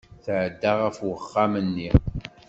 Tɛedda ɣef uxxam-nni.